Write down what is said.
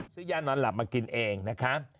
ซื้อยานอนหลับมากินเองนะคะ